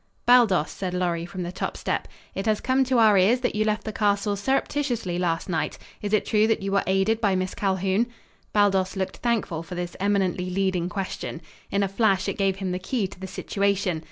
"Baldos," said Lorry, from the top step, "it has come to our ears that you left the castle surreptitiously last night. Is it true that you were aided by Miss Calhoun?" Baldos looked thankful for this eminently leading question. In a flash it gave him the key to the situation.